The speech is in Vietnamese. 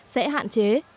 sẽ hạn chế